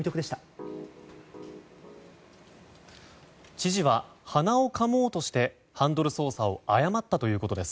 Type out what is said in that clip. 知事は鼻をかもうとしてハンドル操作を誤ったということです。